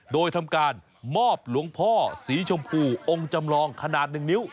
โดยทำการมอบหลวงพ่อสีชมพูองค์จำลองขนาด๑นิ้ว